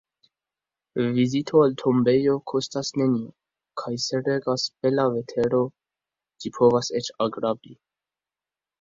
Vizito al tombejo kostas nenion kaj, se regas bela vetero, ĝi povas eĉ agrabli.